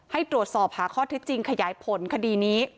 ให้ตรวจสอบหาข้อเท็จจริงขยายผลคดีนี้